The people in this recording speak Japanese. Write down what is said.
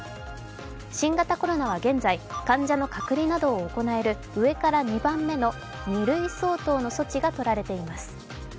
新型コロナは現在、患者の隔離などを行える上から２番目の２類相当の措置がとられています。